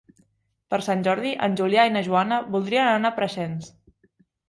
Per Sant Jordi en Julià i na Joana voldrien anar a Preixens.